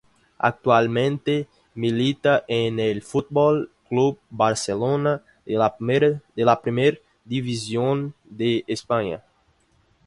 Actualmente milita en el Fútbol Club Barcelona de la Primera División de España.